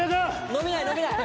伸びない伸びない。